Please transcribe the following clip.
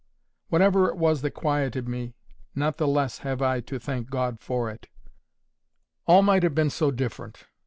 Whatever it was that quieted me, not the less have I to thank God for it. All might have been so different.